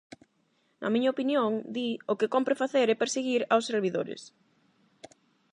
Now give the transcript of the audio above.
"Na miña opinión", di, "o que cómpre facer é perseguir aos servidores".